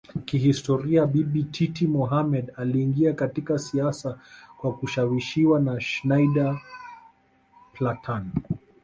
Kihistoria Bibi Titi Mohammed aliingia katika siasa kwa kushawishiwa na Schneider Plantan